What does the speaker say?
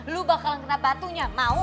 lu bakalan kena batunya mau